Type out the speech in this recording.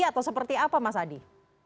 atau seperti apa mas adi